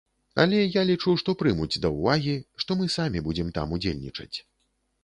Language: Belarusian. Але я лічу, што прымуць да ўвагі, што мы самі будзем там удзельнічаць.